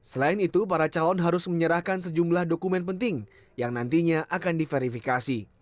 selain itu para calon harus menyerahkan sejumlah dokumen penting yang nantinya akan diverifikasi